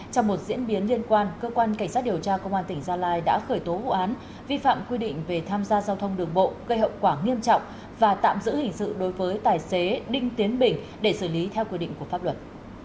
trong một diễn biến liên quan cơ quan cảnh sát điều tra công an tỉnh gia lai đã khởi tố vụ án vi phạm quy định về tham gia giao thông đường bộ gây hậu quả nghiêm trọng và tạm giữ hình sự đối với tài xế đinh tiến bình để xử lý theo quy định của pháp luật